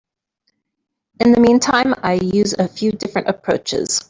In the meantime, I use a few different approaches.